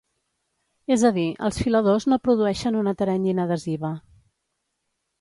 És a dir, els filadors no produeixen una teranyina adhesiva.